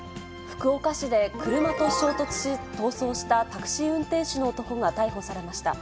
福岡市で車と衝突し、逃走したタクシー運転手の男が逮捕されました。